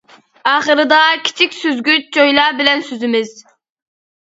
ئاخىرىدا كىچىك سۈزگۈچ چويلا بىلەن سۈزىمىز.